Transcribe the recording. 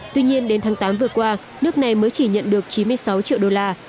tuy nhiên đến tháng tám vừa qua nước này mới chỉ nhận được chín mươi sáu triệu đô la